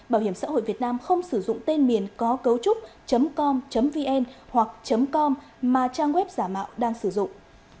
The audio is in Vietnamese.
bảo hiểm xã hội việt nam không sử dụng tên miền có cấu trúc com vn hoặc com mà trang web giả mạo đang sử dụng